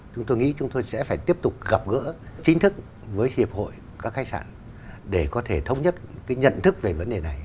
chúng tôi nghĩ chúng tôi sẽ phải tiếp tục gặp gỡ chính thức với hiệp hội các khách sạn để có thể thống nhất cái nhận thức về vấn đề này